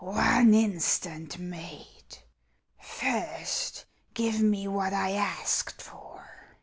" One instant, mate ; first give me what I asked for."